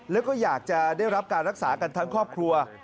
แล้วก็อยากจะได้รับการรักษากันทั้งครอบครัว